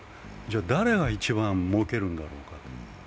じゃ、誰が一番もうけるんだろうかと。